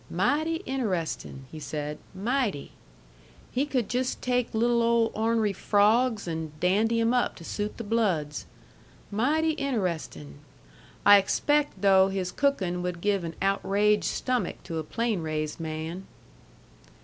"Mighty inter estin'," he said "mighty. He could just take little old o'rn'ry frawgs, and dandy 'em up to suit the bloods. Mighty inter estin'. I expaict, though, his cookin' would give an outraiged stomach to a plain raised man."